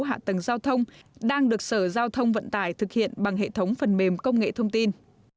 hạ tầng giao thông đang được sở giao thông vận tải thực hiện bằng hệ thống phần mềm công nghệ thông tin